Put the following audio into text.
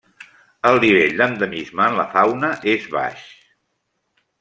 El nivell d'endemisme en la fauna és baix.